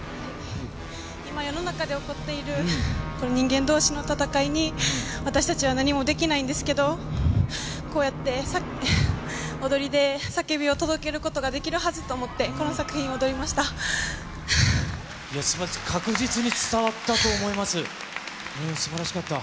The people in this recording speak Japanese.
今、世の中で起こっている、人間どうしの闘いに、私たちは何もできないんですけど、こうやって踊りで叫びを届けることができるはずと思って、この作すばらしかった。